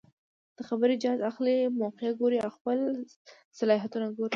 د خبرې جاج اخلي ،موقع ګوري او خپل صلاحيتونه ګوري